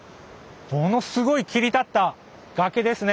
ものすごい切り立った崖ですね。